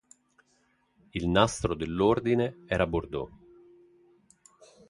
Il nastro dell'ordine era bordeaux.